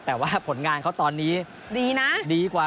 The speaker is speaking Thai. แต่ว่าผลงานเค้าตอนนี้ดีน่ะ